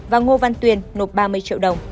và ngô văn tuyên nộp ba mươi triệu đồng